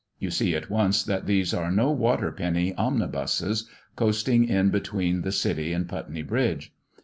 You see at once that these are no water penny omnibuses, coasting it between the City and Putney Bridge.